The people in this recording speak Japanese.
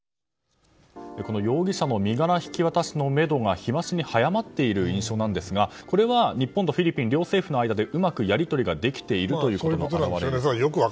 容疑者身柄引き渡しのめどが日増しに早まっている印象なんですがこれは日本とフィリピン両政府がうまくやり取りができているということでしょうか。